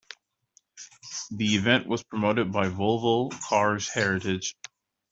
The event was promoted by Volvo Cars Heritage.